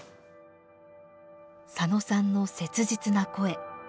佐野さんの切実な声。